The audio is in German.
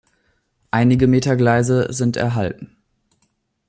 Einige Meter Gleise sind erhalten.